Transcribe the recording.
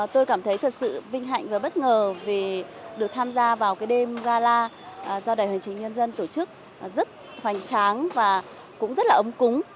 tôi cảm thấy thật sự vinh hạnh và bất ngờ vì được tham gia vào cái đêm gala do đại hội truyền hình nhân dân tổ chức rất hoành tráng và cũng rất là ấm cúng